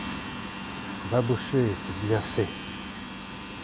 Babochet C'est bien fait !